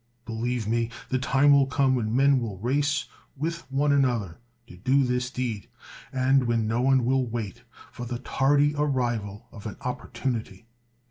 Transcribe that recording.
Be lieve me, the time will come when men will race with one another to do this deed, and when no one will wait for the tardy arrival of an oppor tunity.